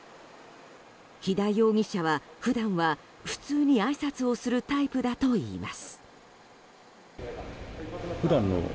肥田容疑者は普段は普通にあいさつをするタイプだといいます。